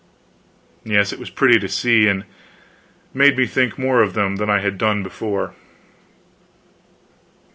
Yes, it was pretty to see, and made me think more of them than I had done before.